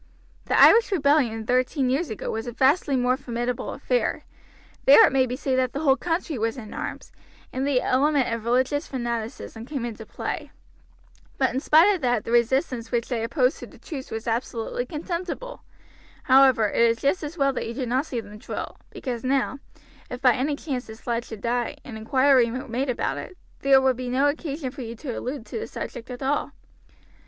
"The Irish rebellion thirteen years ago was a vastly more formidable affair. There it may be said that the whole country was in arms, and the element of religious fanaticism came into play; but in spite of that the resistance which they opposed to the troops was absolutely contemptible; however, it is just as well that you did not see them drill, because now, if by any chance this lad should die, and inquiry were made about it, there would be no occasion for you to allude to the subject at all.